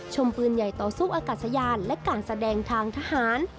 ปืนใหญ่ต่อสู้อากาศยานและการแสดงทางทหาร